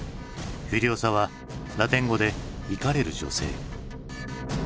「フュリオサ」はラテン語で「怒れる女性」。